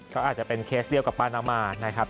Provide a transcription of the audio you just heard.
ก็อาจจะเป็นเคสเดียวกับปานามานะครับ